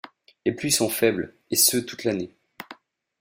Les pluies sont faibles et ce toute l'année.